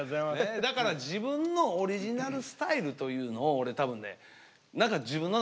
だから自分のオリジナルスタイルというのを俺多分ね何か自分の中で考えたほうがええと思う。